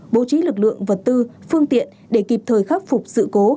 bố trí lực lượng vật tư phương tiện để kịp thời khắc phục sự cố